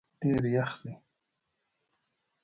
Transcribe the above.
ډېر یخ دی